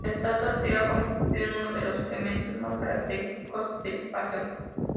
La estatua se ha convertido en uno de los elementos más característicos del paseo.